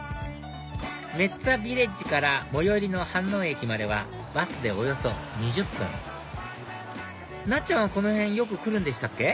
メッツァビレッジから最寄りの飯能駅まではバスでおよそ２０分なっちゃんはこの辺よく来るんでしたっけ？